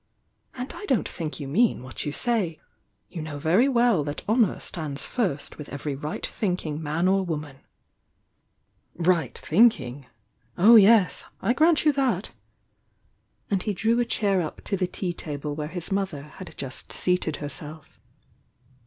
"And I don't think you mean what you say. You know very well that honour stands first with every right thinking man or woman." "Right thinking! Oh, yes!— I grant you that,"— and he drew a chair up to the tea table where his mother had just seated herself.